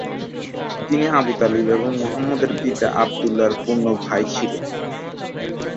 তিনি Abu Talib এবং মুহাম্মদের পিতা আবদুল্লাহর পূর্ণ ভাই ছিলেন।